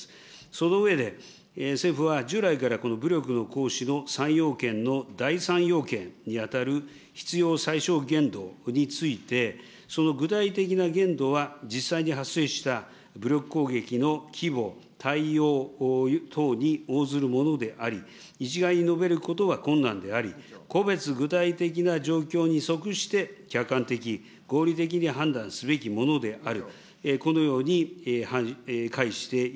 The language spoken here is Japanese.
その上で、政府は従来からこの武力の行使の３要件の第３要件に当たる必要最小限度について、その具体的な限度は実際に発生した武力攻撃の規模、等に応ずるものであり、一概に述べることは困難であり、個別具体的な状況に即して客観的、合理的に判断すべきものである。